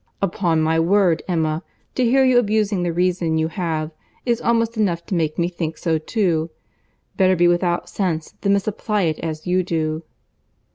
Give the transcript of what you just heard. "Upon my word, Emma, to hear you abusing the reason you have, is almost enough to make me think so too. Better be without sense, than misapply it as you do."